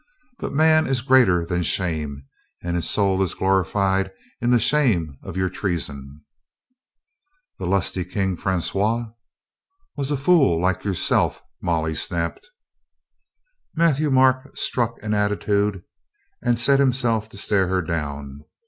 But man is greater than shame, and his soul is glorified in the shame of your treason —" ^Souvent femme varie, Bien fol qui s'y fie.' The lusty King Francois —" "Was a fool like yourself," Molly snapped. Matthieu Marc struck an attitude and set himself to stare her down.